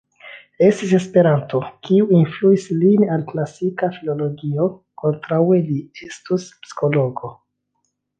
Estis esperanto kiu influis lin al klasika filologio; kontraŭe li estus psikologo.